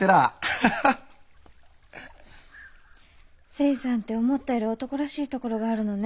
清さんって思ったより男らしいところがあるのね。